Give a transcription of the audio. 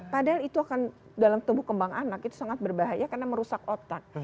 padahal itu akan dalam tubuh kembang anak itu sangat berbahaya karena merusak otak